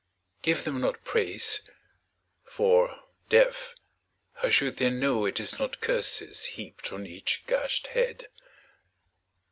Give them not praise. For, deaf, how should they know It is not curses heaped on each gashed head